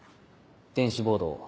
電子ボードを。